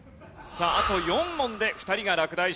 さああと４問で２人が落第します。